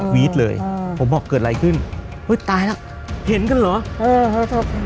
เออวีดเลยเออผมบอกเกิดอะไรขึ้นเฮ้ยตายล่ะเห็นกันเหรอเออ